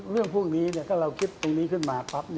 เรื่องพวกนี้ถ้าเราคิดตรงนี้ขึ้นมาปั๊บ